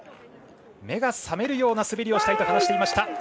目が覚めるような滑りをしたいと話していました。